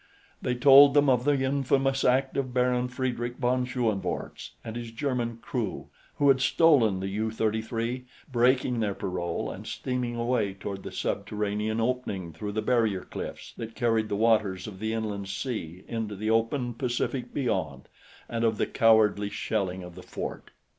They told them of the infamous act of Baron Friedrich von Schoenvorts and his German crew who had stolen the U 33, breaking their parole, and steaming away toward the subterranean opening through the barrier cliffs that carried the waters of the inland sea into the open Pacific beyond; and of the cowardly shelling of the fort.